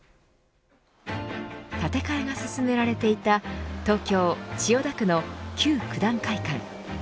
建て替えが進められていた東京、千代田区の旧九段会館。